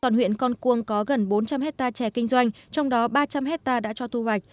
toàn huyện con cuông có gần bốn trăm linh hectare trẻ kinh doanh trong đó ba trăm linh hectare đã cho thu hoạch